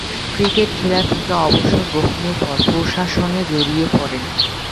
Cricket খেলা থেকে অবসর গ্রহণের পর প্রশাসনে জড়িয়ে পড়েন।